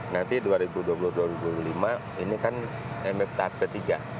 nanti dua ribu dua puluh dua dua ribu lima ini kan mf tahap ketiga